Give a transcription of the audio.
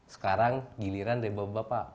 sekarang giliran dari bapak bapak